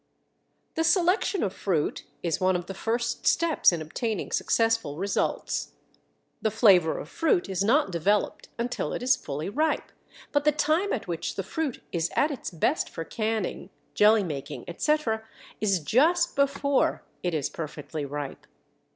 The selection of fruit is one of the first steps in obtaining successful results. The flavor of fruit is not developed until it is fully ripe, but the time at which the fruit is at its best for canning, jelly making, etc., is just before it is perfectly ripe.